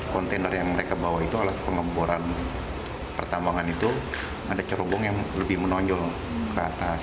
kontainer yang mereka bawa itu alat pengeboran pertambangan itu ada cerobong yang lebih menonjol ke atas